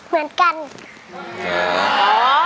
เหมือนกัน